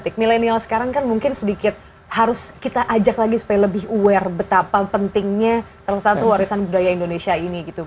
tapi kalau misalnya di kolonial sekarang kan mungkin sedikit harus kita ajak lagi supaya lebih aware betapa pentingnya salah satu warisan budaya indonesia ini